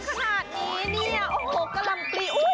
ปลงผักทำไมมันงามขนาดนี้เนี่ย